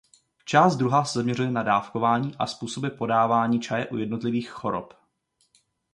Část druhá se zaměřuje na dávkování a způsoby podávání čaje u jednotlivých chorob.